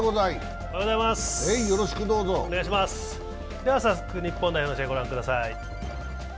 では早速、日本代表戦ご覧ください。